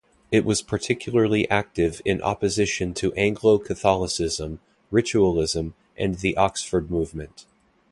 It was particularly active in opposition to Anglo-Catholicism, Ritualism and the Oxford Movement.